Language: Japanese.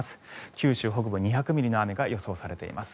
九州北部、２００ミリの雨が予想されています。